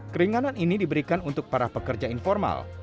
keringanan ini diberikan untuk para pekerja informal